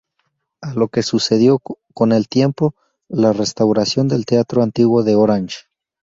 A lo que sucedió, con el tiempo, la restauración del teatro antiguo de Orange.